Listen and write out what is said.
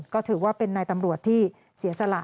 ก็ถือว่าเป็นนายตำรวจที่เสียสละ